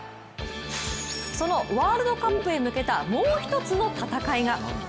そのワールドカップへ向けたもう一つの戦いが。